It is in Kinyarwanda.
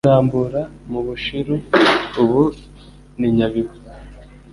Rambura mu Bushiru ubu ni Nyabihu),